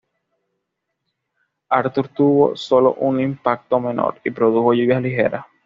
Arthur tuvo sólo un impacto menor, y produjo lluvias ligeras.